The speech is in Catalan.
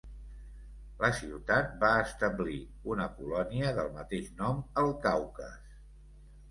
La ciutat va establir una colònia del mateix nom al Caucas.